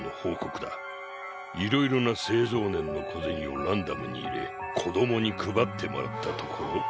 いろいろな製造年のこぜにをランダムに入れ子供に配ってもらったところ。